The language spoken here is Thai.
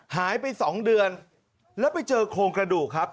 หายไป๒เดือนแล้วไปเจอโครงกระดูกครับ